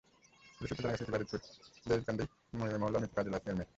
Police সূত্রে জানা গেছে, ইতি বাজিতপুর দড়িকান্দি মহল্লার মৃত কাজী লায়েছ মিয়ার মেয়ে।